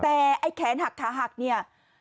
แต่ไอ้แขนหักขาหักเนี่ย